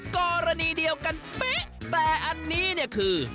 กรณีเดียวกันแต่อันนี้คือ